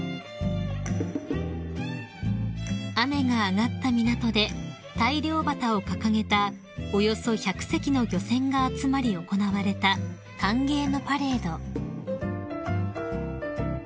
［雨が上がった港で大漁旗を掲げたおよそ１００隻の漁船が集まり行われた歓迎のパレード］